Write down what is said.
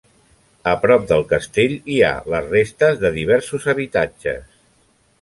A prop del castell hi ha les restes de diversos habitatges.